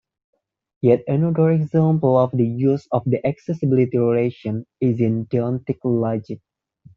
Yet another example of the use of the 'accessibility relation' is in deontic logic.